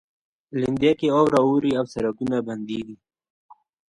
لېندۍ کې واوره اوري او سړکونه بندیږي.